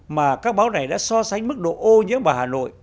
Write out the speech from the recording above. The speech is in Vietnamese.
mà các báo này đã so sánh mức độ ô nhiễm ở hà nội